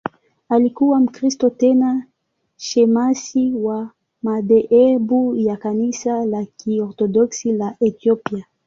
Alikuwa Mkristo, tena shemasi wa madhehebu ya Kanisa la Kiorthodoksi la Ethiopia.